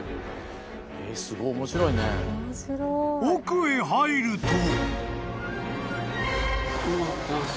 ［奥へ入ると］